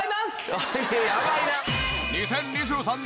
２０２３年